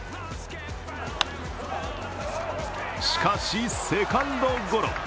しかし、セカンドゴロ。